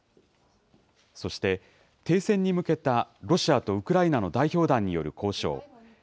そして停戦に向けたロシアとウクライナの代表団による交渉。